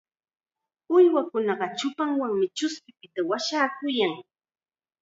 Uywakuna chupanwanmi chuspikunapita washakuyan.